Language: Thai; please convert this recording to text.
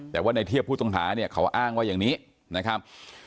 แต่ว่าในเทียบผู้ต้องหาเนี่ยเขาอ้างว่าอย่างนี้นะครับ